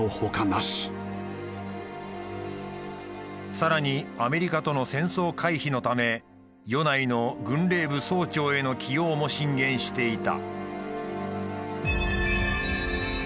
さらにアメリカとの戦争回避のため米内の軍令部総長への起用も進言していた。